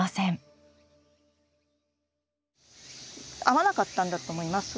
合わなかったんだと思います